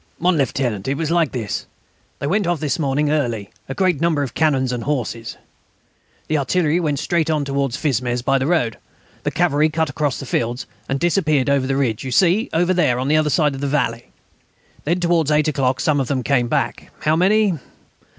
"Mon Lieutenant, it was like this.... They went off this morning early, with a great number of cannons and horses. The artillery went straight on towards Fismes by the road. The cavalry cut across the fields, and disappeared over the ridge you see over there on the other side of the valley. Then towards eight o'clock some of them came back. How many?